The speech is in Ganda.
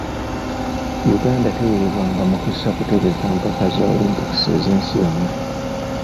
Uganda teweebwanga mukisa kutegeka mpaka za olimpikisi ez’ensi yonna.